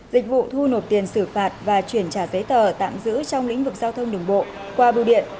dịch vụ thu nộp tiền xử phạt và chuyển trả giấy tờ tạm giữ trong lĩnh vực giao thông đường bộ qua bưu điện